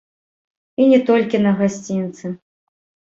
І не толькі на гасцінцы.